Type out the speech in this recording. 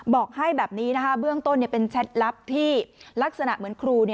บอกให้แบบนี้นะคะเบื้องต้นเป็นแชทลับที่ลักษณะเหมือนครู